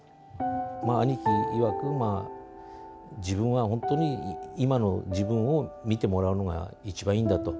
兄貴いわく、自分は本当に今の自分を見てもらうのが一番いいんだと。